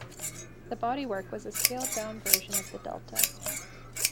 The bodywork was a scaled down version of the Delta.